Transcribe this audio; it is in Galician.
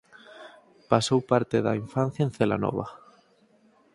Pasou parte da infancia en Celanova.